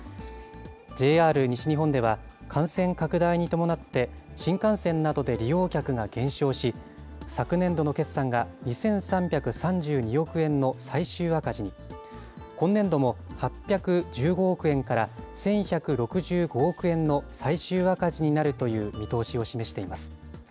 ＪＲ西日本では、感染拡大に伴って、新幹線などで利用客が減少し、昨年度の決算が２３３２億円の最終赤字に、今年度も８１５億円から１１６５億円の最終赤字になるという見通しを示しています。